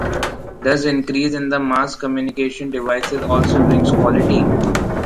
Does increase in the mass communication devices also brings quality?